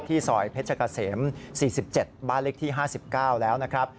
ที่ซอยเพชรกะเสม๔๗บาลิกที่๕๙แล้วนะครับ